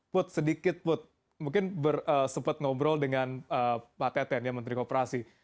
put sedikit put mungkin sempat ngobrol dengan pak teten ya menteri kooperasi